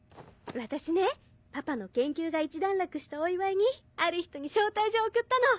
私ねパパの研究が一段落したお祝いにある人に招待状を送ったの。